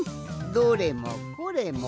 どれもこれもあり！